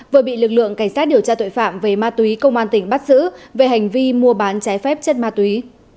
vừa bị lực lượng cảnh sát điều tra tội phạm về ma túy công an tỉnh bắt giữ về hành vi mua bán trái phép chất ma túy